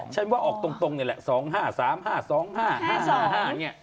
ฉันว่าออกตรงนี่แหละ๒๕๓๕๒๕๕๕๕๕อย่างนี้